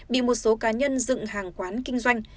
bị một số cá nhân dựng hàng quán kinh doanh